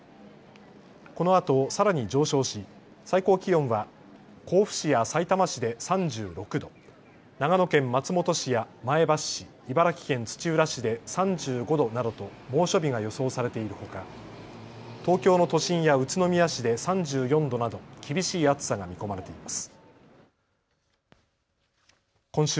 このあと、さらに上昇し最高気温は甲府市やさいたま市で３６度、長野県松本市や前橋市、茨城県土浦市で３５度などと猛暑日が予想されているほか東京の都心や宇都宮市で３４度など厳しい暑さが見込まれています。